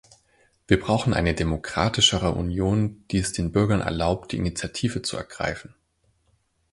Wir brauchen eine demokratischere Union, die es den Bürgern erlaubt, die Initiative zu ergreifen.